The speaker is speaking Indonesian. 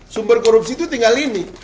sumber korupsi itu tinggal ini